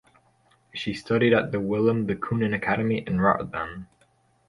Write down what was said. She studied at the Willem de Kooning Academy in Rotterdam.